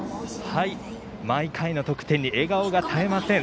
毎回の得点に笑顔が絶えません